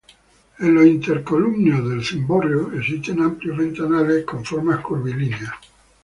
En los intercolumnios del cimborrio existen amplios ventanales con formas curvilíneas.